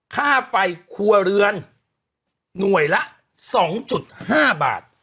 ค่าไฟคัวเรือนหน่วยละสองจุดห้าบาท